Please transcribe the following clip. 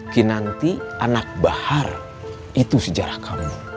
kinanti anak bahar itu sejarah kamu